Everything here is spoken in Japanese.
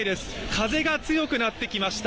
風が強くなってきました。